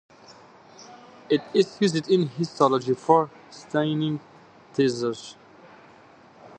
It is used in histology for staining tissues.